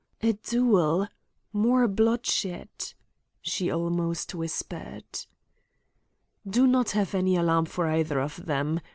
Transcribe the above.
"A duel! More bloodshed!" she almost whispered. "Do not have any alarm for either of them.